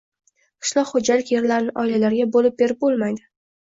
«qishloq xo‘jalik yerlarini oilalarga bo‘lib berib bo‘lmaydi